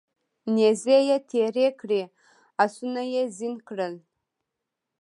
نیزې یې تیرې کړې اسونه یې زین کړل